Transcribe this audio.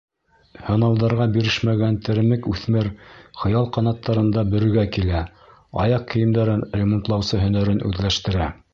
Һынауҙарға бирешмәгән теремек үҫмер хыял ҡанаттарында Бөрөгә килә, аяҡ кейемдәрен ремонтлаусы һөнәрен үҙләштерә.